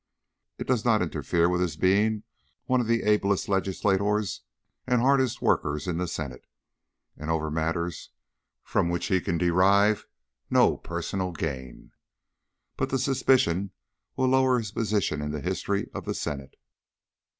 It does not interfere with his being one of the ablest legislators and hardest workers in the Senate and over matters from which he can derive no possible gain. But the suspicion will lower his position in the history of the Senate."